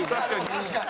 確かに。